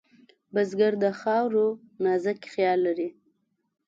بزګر د خاورو نازک خیال لري